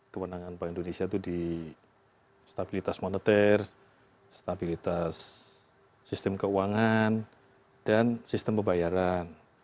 kewenangan bank indonesia itu di stabilitas moneter stabilitas sistem keuangan dan sistem pembayaran